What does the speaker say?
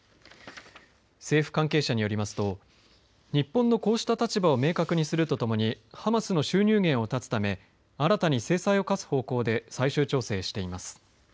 政府関係者によりますと日本のこうした立場を明確にするとともにハマスの収入源を断つため新たに制裁を科す方向で最終調整しています。